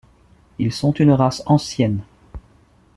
Ils sont une race ancienne.